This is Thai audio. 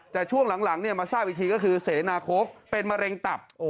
แต่ช่วงหลังมาทราบอีกทีก็คือเสนาโค้กเป็นมะเร็งตับ